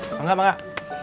enggak enggak enggak